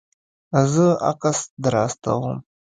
زه عکس در استوم